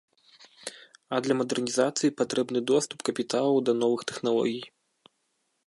А для мадэрнізацыі патрэбны доступ капіталаў да новых тэхналогій.